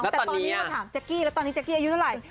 แต่ตอนนี้มันถามแจ๊กกี้ว่าตอนนี้แจ๊กกี้อายุเท่าไร